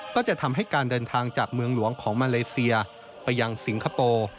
ก็จะทำให้การเดินทางจากเมืองหลวงของมาเลเซียไปยังสิงคโปร์